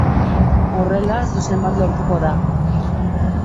Horrela, zuzen bat lortuko da.